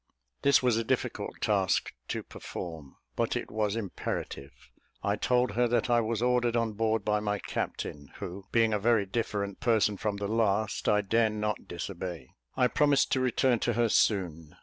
This was a difficult task to perform, but it was imperative. I told her that I was ordered on board by my captain, who, being a very different person from the last, I dare not disobey. I promised to return to her soon.